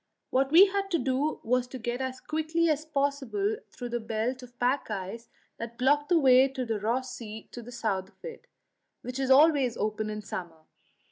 What we had to do was to get as quickly as possible through the belt of pack ice that blocked the way to Ross Sea to the south of it, which is always open in summer.